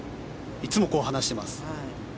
いつもこう話しています。